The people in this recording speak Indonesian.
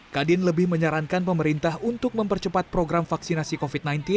kadin lebih menyarankan pemerintah untuk mempercepat program vaksinasi covid sembilan belas